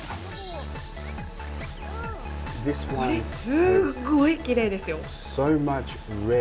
すっごいキレイですよ。